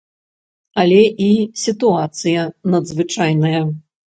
Але і сітуацыя надзвычайная!